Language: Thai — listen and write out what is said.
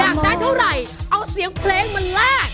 อยากได้เท่าไหร่เอาเสียงเพลงมาแลก